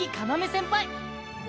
先輩